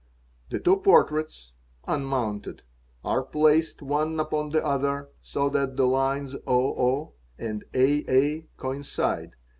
The two portraits (unmounted) are placed one upon the other, so lat the lines 00 and aa coincide.